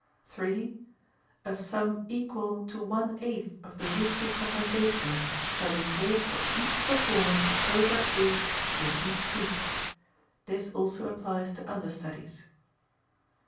(3) A sum equal to one eighth of the weekly compensation shall be paid for each performance over eight in each week. (This also applies to understudies.)